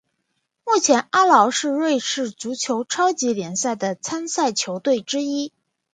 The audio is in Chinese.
目前阿劳是瑞士足球超级联赛的参赛球队之一。